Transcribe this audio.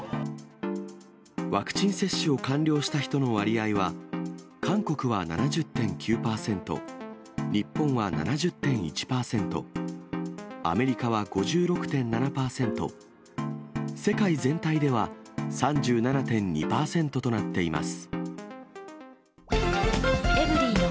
ワクチン接種を完了した人の割合は、韓国は７０．９％、日本は７０．１％、アメリカは５６．７％、世界全体では３７．２％となっています。